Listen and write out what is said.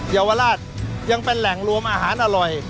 เยาวราชยังเป็นแหล่งรวมอาหารอร่อย